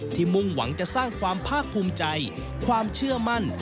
มุ่งหวังจะสร้างความภาคภูมิใจความเชื่อมั่น